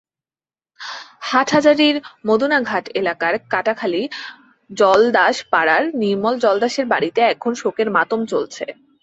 হাটহাজারীর মদুনাঘাট এলাকার কাটাখালী জলদাসপাড়ার নির্মল জলদাসের বাড়িতে এখন শোকের মাতম চলছে।